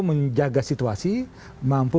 menjaga situasi mampu